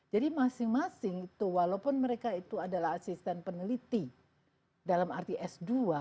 jadi masing masing itu walaupun mereka itu adalah asisten peneliti dalam arti s dua